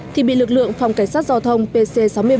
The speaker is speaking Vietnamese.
thì bị lực lượng phòng cảnh sát giao thông pc sáu mươi một